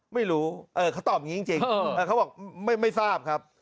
ไม่รู้เขาตอบอย่างนี้จริงเขาบอกไม่ทราบครับ